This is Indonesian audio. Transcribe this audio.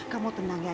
kamu tenang ya